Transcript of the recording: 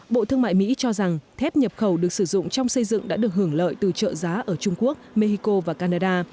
bộ thương mại mỹ cho rằng thép nhập khẩu được sử dụng trong xây dựng đã được hưởng lợi từ trợ giá ở trung quốc mexico và canada